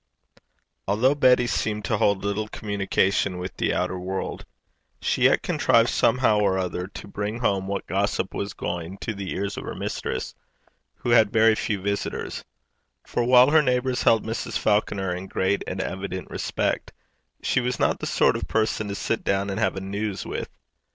Although Betty seemed to hold little communication with the outer world, she yet contrived somehow or other to bring home what gossip was going to the ears of her mistress, who had very few visitors; for, while her neighbours held Mrs. Falconer in great and evident respect, she was not the sort of person to sit down and have a news with.